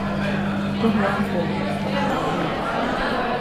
بڕوا بۆ مەيتهرخانه